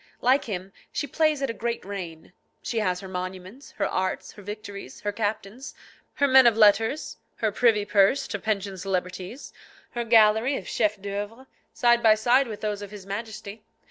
Like him, she plays at a great reign; she has her monuments, her arts, her victories, her captains, her men of letters, her privy purse to pension celebrities, her gallery of chefs d'oeuvre, side by side with those of his Majesty.